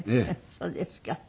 そうですか。